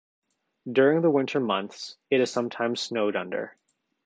During the winter months it is sometimes snowed under.